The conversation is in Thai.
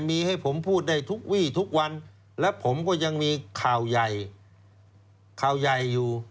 มีให้ผมพูดได้ทุกวี่ทุกวันและผมก็ยังมีข่าวใหญ่ข่าวใหญ่อยู่